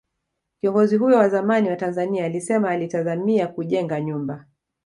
Kiongozi huyo wa zamani wa Tanzania alisema alitazamia kujenga nyumba